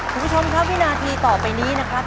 คุณผู้ชมครับวินาทีต่อไปนี้นะครับ